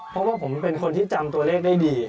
เพราะว่าผมเป็นคนที่จำตัวเลขได้ดี